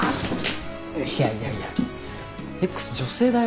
いやいやいやＸ女性だよ？